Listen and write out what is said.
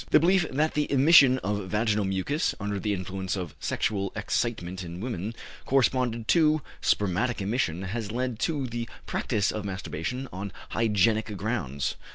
The belief that the emission of vaginal mucus, under the influence of sexual excitement in women, corresponded to spermatic emission, has led to the practice of masturbation on hygienic grounds.